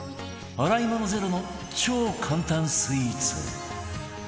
洗い物ゼロの超簡単スイーツ